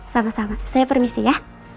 sama sama saya permisi ya